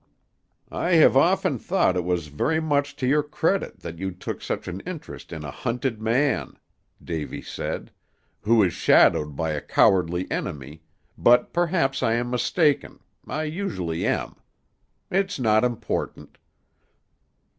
"I have often thought it was very much to your credit that you took such an interest in a hunted man," Davy said, "who is shadowed by a cowardly enemy, but perhaps I am mistaken I usually am; it's not important."